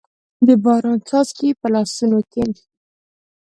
د باران څاڅکي، په لاسونو کې